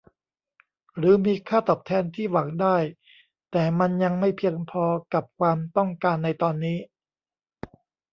หรือมีค่าตอบแทนที่หวังได้แต่มันยังไม่เพียงพอกับความต้องการในตอนนี้